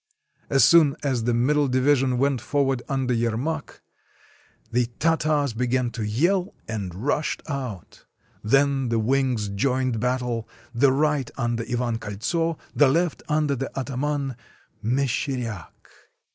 As soon as the mxiddle division went forward under Yermak, the Tartars began to yell and rushed out. Then the wings joined battle, the right under Ivan Koltso, the left under the ataman, Meshcheryak.